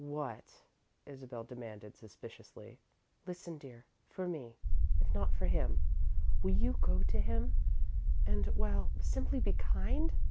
"What?" Isabel demanded, suspiciously. "Listen, dear. For me, if not for him, will you go to him, and well, simply be kind?